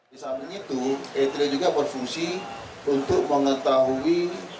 di saat ini e tiga juga berfungsi untuk mengetahui